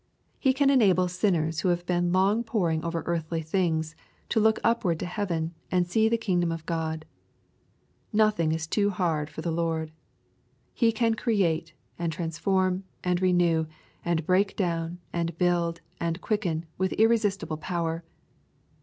He can enable sin ners who have been long poring over earthly things, to look upward to heaven, and see the kingdom of God. Nothing is too hard for the Lord. He can create, and transform, and renew, and break down, and build, and quicken, with irresistible power.